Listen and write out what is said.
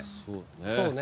そうね